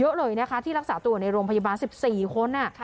เยอะเลยนะคะที่รักษาตัวอยู่ในโรงพยาบาล๑๔คน